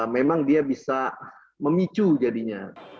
memang dia bisa memicu jadinya